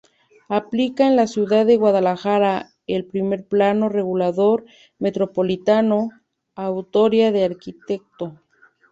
Aplica en la ciudad de Guadalajara el primer plano regulador metropolitano, autoría del Arq.